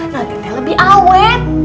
nanti teh lebih awet